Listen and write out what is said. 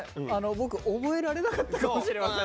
僕覚えられなかったかもしれません。